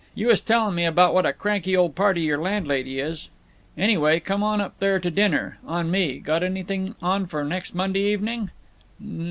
You was telling me about what a cranky old party your landlady is. Anyway, come on up there to dinner. On me. Got anything on for next Monday evening?"